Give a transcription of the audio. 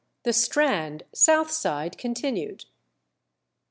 THE STRAND (SOUTH SIDE, CONTINUED).